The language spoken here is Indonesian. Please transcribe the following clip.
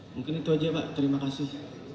mungkin itu aja pak terima kasih